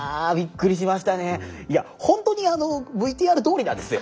いやほんとにあのＶＴＲどおりなんですよ。